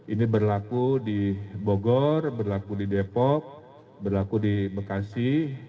ini berlaku di bogor berlaku di depok berlaku di bekasi